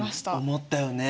思ったよね。